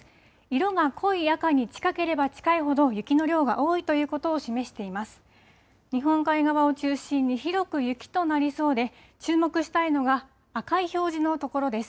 色が濃い赤に近ければ近いほど雪の量が多いということを示しています。